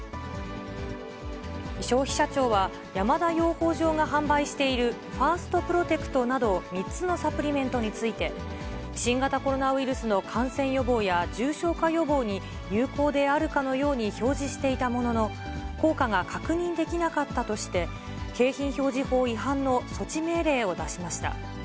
消費者庁は、山田養蜂場が販売している１ｓｔプロテクトなど３つのサプリメントについて、新型コロナウイルスの感染予防や重症化予防に有効であるかのように表示していたものの、効果が確認できなかったとして、景品表示法違反の措置命令を出しました。